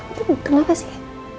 itu kenapa sih